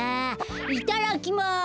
いただきます！